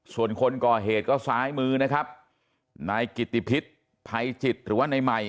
ส่วนคนก่อเหตุก็ซ้ายมือนะครับนายกิติพิษภัยจิตหรือว่าในใหม่